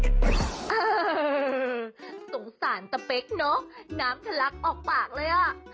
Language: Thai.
น้ำทะลักออกปากเลยอ่ะ